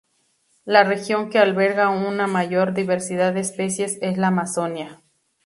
La región que alberga una mayor diversidad de especies es la Amazonía.